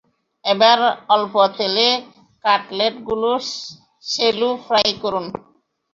এবার অল্প তেলে কাটলেটগুলো শ্যালো ফ্রাই করুন।